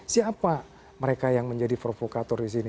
siapa mereka yang menjadi provokator di sini